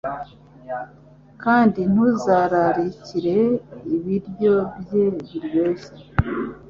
kandi ntuzararikire ibiryo bye biryoshye